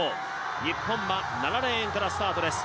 日本は７レーンからスタートです。